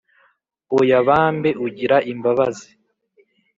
Oya bambe ugira imbabazi